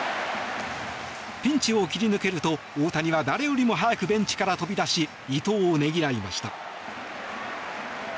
ピンチを切り抜けると大谷は誰よりも早くベンチから飛び出し伊藤をねぎらいました。